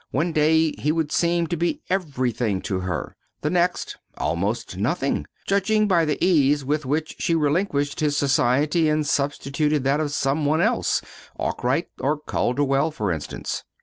One day he would seem to be everything to her; the next almost nothing, judging by the ease with which she relinquished his society and substituted that of some one else: Arkwright, or Calderwell, for instance.